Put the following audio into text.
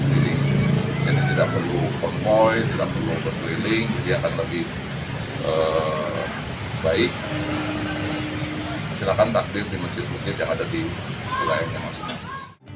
sekeliling ini tidak perlu permohon tidak perlu berkeliling jadi akan lebih baik silakan takdir dimensi putih yang ada di wilayahnya masjid masjid